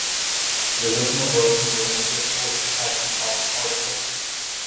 The original version was only capable of detecting alpha particles.